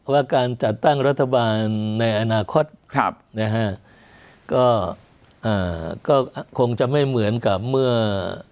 ว่าการจัดตั้งรัฐบาลในอนาคตครับนะฮะก็อ่าก็คงจะไม่เหมือนกับเมื่อ